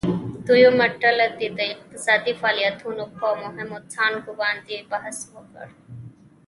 دویمه ډله دې د اقتصادي فعالیتونو په مهمو څانګو باندې بحث وکړي.